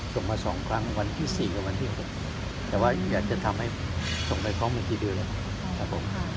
ส่งมาสองครั้งวันที่สี่กับวันที่เหล็ก